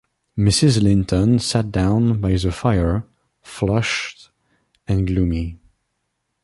Mrs. Linton sat down by the fire, flushed and gloomy.